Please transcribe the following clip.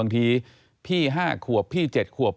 บางทีพี่๕ขวบพี่๗ขวบ